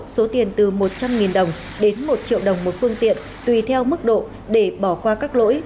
số tiền từ một trăm linh đồng đến một triệu đồng một phương tiện tùy theo mức độ để bỏ qua các lỗi